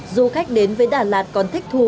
du khách đến với đà lạt còn thích thú